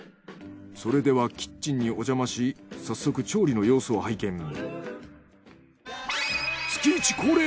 それではキッチンにおじゃまし早速調理の様子を拝見。